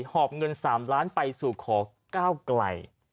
หอบเงิน๓ล้านไปสู่ขอก้าวไกล